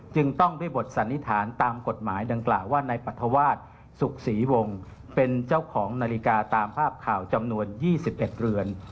จึงต้องด้วยบทสันนิษฐานตามกฎหมายดังกล่าวว่านายปรัฐวาสสุขศรีวงศ์เป็นเจ้าของนาฬิกาตามภาพข่าวจำนวน๒๑เรือน